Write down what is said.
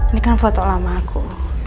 ini kan foto lama aku